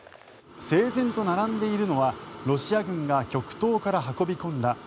整然と並んでいるのはロシア軍が極東から運び込んだ